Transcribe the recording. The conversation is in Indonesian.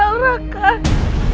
ibunda sudah meninggal rai